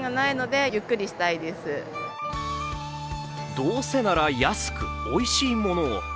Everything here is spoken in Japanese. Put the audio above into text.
どうせなら安くおいしいものを。